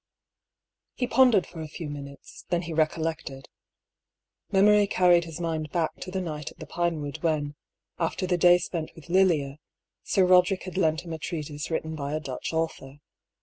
He pondered for a few minutes : then he recollected. Memory carried his mind back to the night at the Pine wood when, after the day spent' with Lilia, Sir Roderick had lent him a treatise written by a Dutch author.